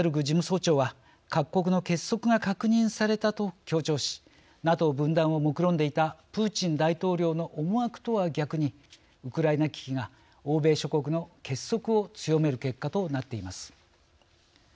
事務総長は「各国の結束が確認された」と強調しＮＡＴＯ分断をもくろんでいたプーチン大統領の思惑とは逆にウクライナ危機が欧米諸国の結束を強める結果となっています。